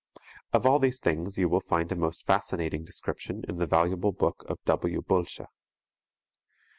Of all these things you will find a most fascinating description in the valuable book of W. Bölsche.